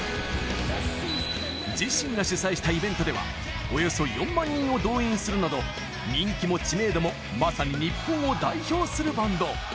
自身が主催したイベントではおよそ４万人を動員するなど人気も知名度もまさに日本を代表するバンド。